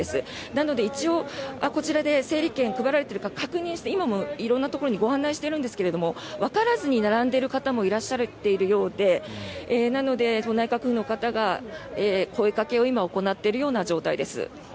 なので一応こちらで整理券が配られているか確認して、今も色んなところにご案内してるんですがわからずに並んでいる方もいらっしゃるようでなので、内閣府の方が声掛けを今、行っているような状態です。